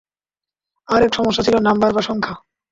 আরেক সমস্যা ছিল নাম্বার বা সংখ্যা।